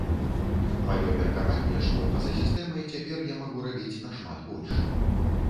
Маё меркаванне, што па-за сістэмай цяпер я магу рабіць нашмат больш.